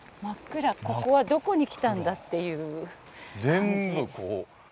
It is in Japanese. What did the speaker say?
ここはどこに来たんだっていう感じ。